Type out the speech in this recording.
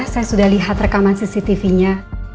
saya sudah lihat rekaman cctv nya